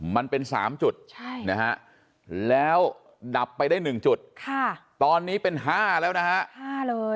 มันเป็น๓จุดนะฮะแล้วดับไปได้๑จุดตอนนี้เป็น๕แล้วนะฮะ๕เลย